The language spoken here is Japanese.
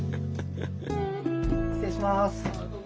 失礼します。